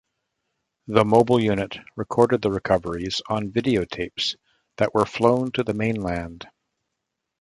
The mobile unit recorded the recoveries on videotapes that were flown to the mainland.